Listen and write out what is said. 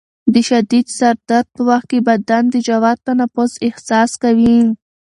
د شدید سر درد په وخت کې بدن د ژور تنفس احساس کوي.